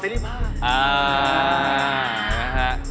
อ่าสนิทภาพ